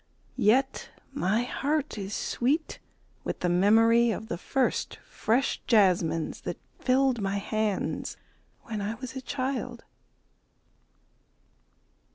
Yet my heart is sweet with the memory of the first fresh jasmines that filled my hands when I was a child.